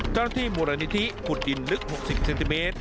เจ้าหน้าที่มูลนิธิขุดดินลึก๖๐เซนติเมตร